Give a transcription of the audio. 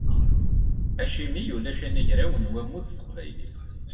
Acimi ulac anagraw n wammud s teqbaylit?